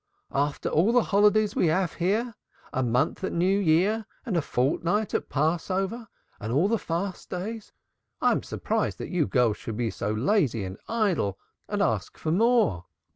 After all the holidays we have here, a month at New Year and a fortnight at Passover, and all the fast days! I am surprised that you girls should be so lazy and idle and ask for more.